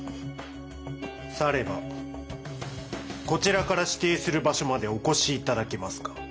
さればこちらから指定する場所までお越し頂けますか？